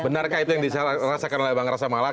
oke benarkah itu yang diserahkan oleh bang rasa malah